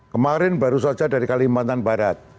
kemarin baru saja dari kalimantan barat